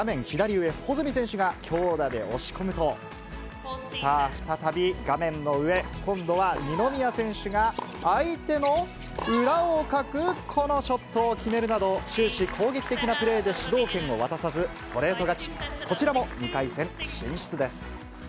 左上、穂積選手が強打で押し込むと、さあ、再び、画面の上、今度は二宮選手が相手の裏をかくこのショットを決めるなど、終始、攻撃的なプレーで主導権を渡さずストレート勝ち。